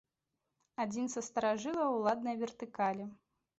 Адзін са старажылаў уладнай вертыкалі.